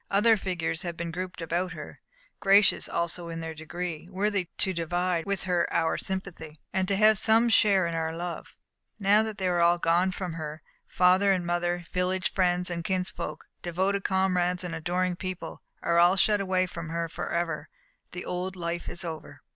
Other figures have been grouped about her, gracious also in their degree, worthy to divide with her our sympathy, and to have some share in our love. Now they are all gone from her. Father and mother, village friends and kinsfolk, devoted comrades and adoring people, are all shut away from her for ever. The old life is over.